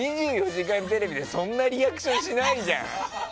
「２４時間テレビ」でそんなリアクションしないじゃん。